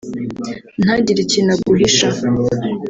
ntagire ikintu aguhisha